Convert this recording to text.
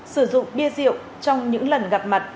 sử dụng bia rượu trong những lần gặp mặt